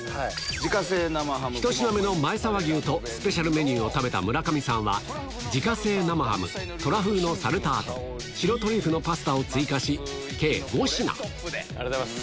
１品目の前沢牛とスペシャルメニューを食べた村上さんは、自家製生ハム、トラフグのサルタート、白トリュフのパスタを追加し、計５品。